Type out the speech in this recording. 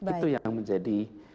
itu yang menjadi